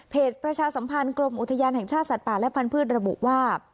ประชาสัมพันธ์กรมอุทยานแห่งชาติสัตว์ป่าและพันธุ์ระบุว่า